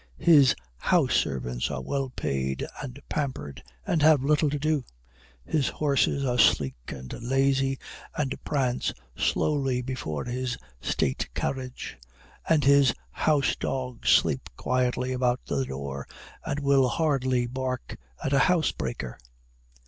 His house servants are well paid, and pampered, and have little to do. His horses are sleek and lazy, and prance slowly before his state carriage; and his house dogs sleep quietly about the door, and will hardly bark at a housebreaker.